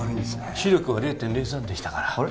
視力は０．０３でしたからあれ？